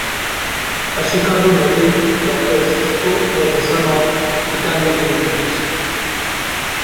A Chicago native, Doctor Sisco was the son of Italian immigrants.